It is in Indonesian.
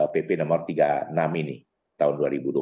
pp no tiga puluh enam ini tahun dua ribu dua puluh